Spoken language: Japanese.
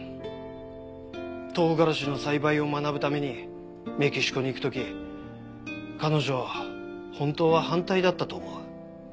唐辛子の栽培を学ぶためにメキシコに行く時彼女本当は反対だったと思う。